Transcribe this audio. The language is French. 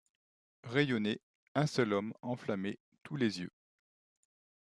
Rayonnaient. Un seul homme enflammait tous les yeux ;